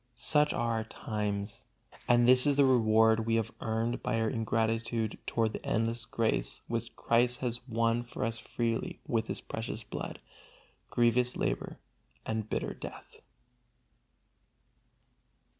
Such are our times, and this is the reward we have earned by our ingratitude toward the endless grace which Christ has won for us freely with His precious blood, grievous labor and bitter death.